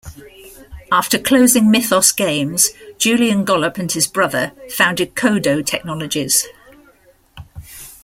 After closing Mythos Games, Julian Gollop and his brother founded Codo Technologies.